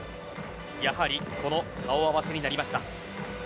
やはりこの顔合わせになりました。